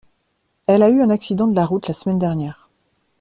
Elle a eu un accident de la route la semaine dernière.